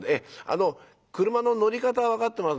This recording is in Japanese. あの俥の乗り方は分かってます？」。